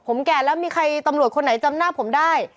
ผมแก่แล้วมีใครตำรวจคนไหนจำหน้าผมได้